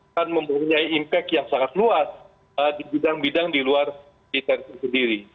akan mempunyai impact yang sangat luas di bidang bidang di luar militer itu sendiri